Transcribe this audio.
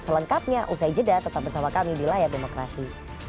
selengkapnya usai jeda tetap bersama kami di layar demokrasi